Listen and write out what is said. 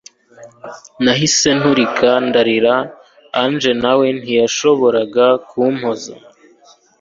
nahise nturika ndirira Angel nawe ntiyashoboraga kumpoza